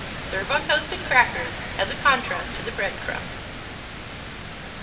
Serve on toasted crackers, as a contrast to the bread crumbs.